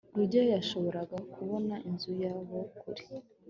rugeyo yashoboraga kubona inzu ya jabo kure